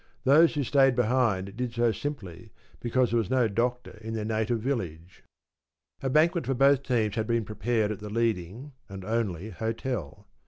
Those who stayed behind did so simply because there was no doctor in their native village. A banquet for both teams had been prepared at the leading (and only) hotel.